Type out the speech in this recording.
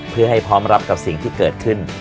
เพื่อให้พร้อมรับกับสิ่งที่เกิดขึ้น